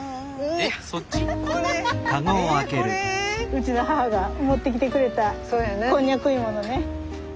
うちの母が持ってきてくれたコンニャク芋のね。